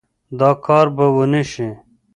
دا کار به ونشي